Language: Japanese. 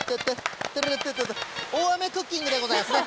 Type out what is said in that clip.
大雨クッキングでございますね。